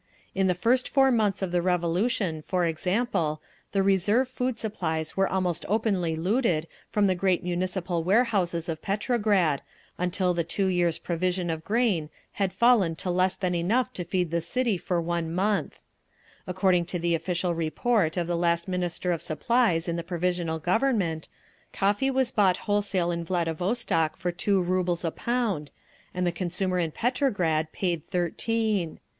In the first four months of the Revolution, for example, the reserve food supplies were almost openly looted from the great Municipal warehouses of Petrograd, until the two years' provision of grain had fallen to less than enough to feed the city for one month…. According to the official report of the last Minister of Supplies in the Provisional Government, coffee was bought wholesale in Vladivostok for two rubles a pound, and the consumer in Petrograd paid thirteen.